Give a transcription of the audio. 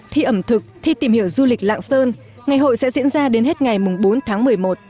thi ẩm thực thi tìm hiểu du lịch lạng sơn ngày hội sẽ diễn ra đến hết ngày bốn tháng một mươi một